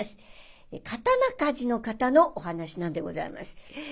刀鍛冶の方のお噺なんでございます。